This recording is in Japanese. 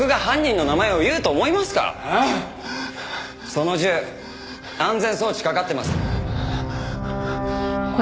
その銃安全装置かかってます。